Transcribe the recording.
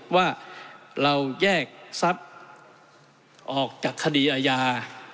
ว่าเราแยกทรัพย์ออกจากคดีอาญา